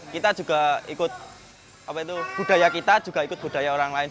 kita juga ikut budaya kita juga ikut budaya orang lain